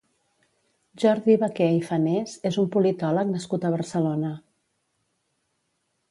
Jordi Vaquer i Fanés és un politòleg nascut a Barcelona.